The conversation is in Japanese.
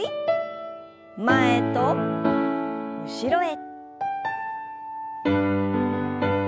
前と後ろへ。